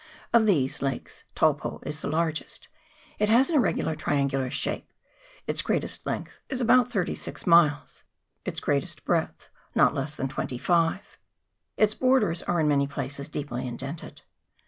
Of these lakes Taupo is the largest ; it has an irregular triangular shape, its greatest length is about thirty six miles, its greatest hreadth not less than twenty five ; its borders are in many places deeply indented.